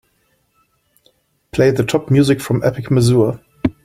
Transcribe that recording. Play the top music from Epic Mazur.